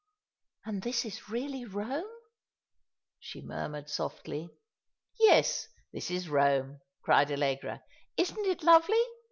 " And is this really Rome ?" she murmured softly. "Yes, this is Rome," cried Allegra. "Isn't it lovely?